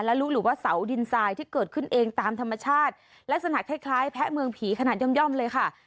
และรู้หรือว่าเสาดินทรายที่เกิดขึ้นเองตามธรรมชาติลักษณะคล้ายคล้ายแพะเมืองผีขนาดย่อมเลยค่ะ